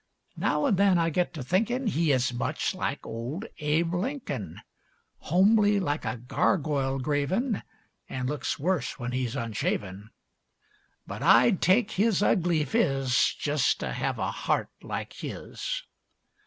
Now an' then I get to thinkin' He is much like old Abe Lincoln Homely like a gargoyle graven, An' looks worse when he's unshaven; But I'd take his ugly phiz Jes' to have a heart like his.